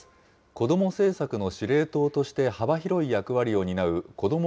子ども政策の司令塔として幅広い役割を担うこども